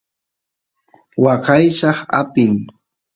waqaychaq apin